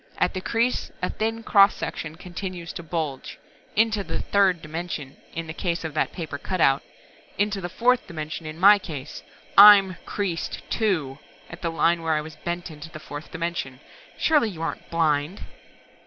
At the crease a thin cross section continues to bulge into the third dimension in the case of that paper cutout. Into the fourth dimension in my case! I'm creased too, at the line where I was bent into the fourth dimension! Surely you aren't blind?"